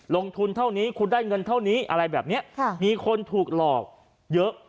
ลงทุนเท่านี้คุณได้เงินเท่านี้อะไรแบบนี้มีคนถูกหลอกเยอะ